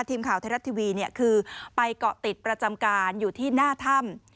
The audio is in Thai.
ทีมข่าวไทยรัฐทีวีคือไปเกาะติดประจำการอยู่ที่หน้าถ้ำ